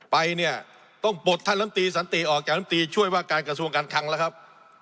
ไปเนี่ยต้องปลดท่านลำตีสันติออกจากลำตีช่วยว่าการกระทรวงการคลังแล้วครับ